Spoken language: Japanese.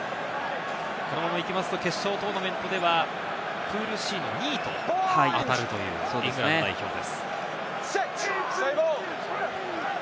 このままいきますと決勝トーナメントではプールＣの２位と当たるというイングランド代表です。